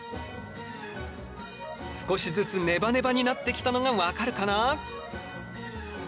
少しずつネバネバになってきたのが分かるかな？